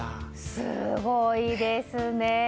すごいですね。